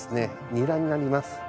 ニラになります。